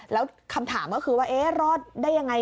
แล้วคำถามก็คือว่ารอดได้อย่างไร